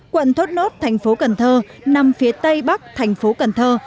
quận thốt nốt thành phố cần thơ nằm phía tây bắc thành phố cần thơ